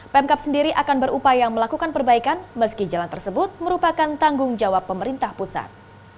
pemkap sendiri akan berupaya melakukan perbaikan meski jalan tersebut merupakan tanggung jawab pemerintah pusat